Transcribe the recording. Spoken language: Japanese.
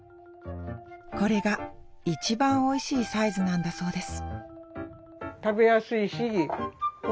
これが一番おいしいサイズなんだそうです